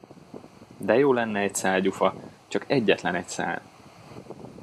De jó lenne egy szál gyufa, csak egyetlenegy szál!